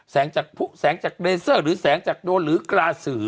แสงจากเบเซอร์หรือแสงจากโดนหรือกลาสือ